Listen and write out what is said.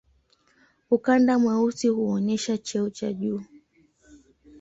Ukanda mweusi huonyesha cheo cha juu.